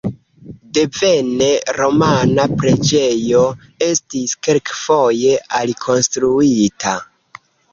Devene romana preĝejo estis kelkfoje alikonstruita.